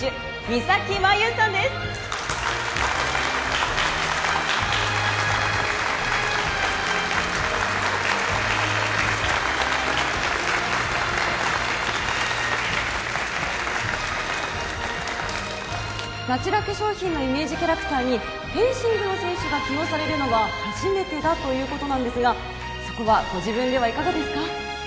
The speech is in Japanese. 三咲麻有さんです・ナチュラ化粧品のイメージキャラクターにフェンシングの選手が起用されるのは初めてだということなんですがそこはご自分ではいかがですか？